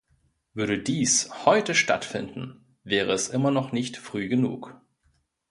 Würde dies heute stattfinden, wäre es immer noch nicht früh genug!